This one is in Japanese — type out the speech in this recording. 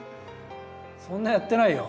そんなやってないよ。